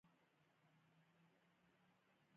مبصرین یې وايي چې د بې حسابه زرو مالک به شي.